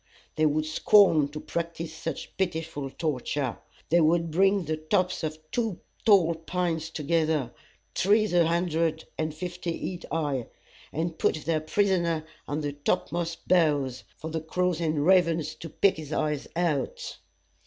They would scorn to practice such pitiful torture. They would bring the tops of two tall pines together, trees a hundred and fifty feet high, and put their prisoner on the topmost boughs, for the crows and ravens to pick his eyes out.